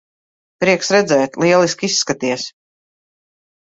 Prieks redzēt. Lieliski izskaties.